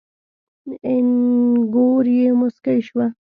اينږور يې موسکۍ شوه.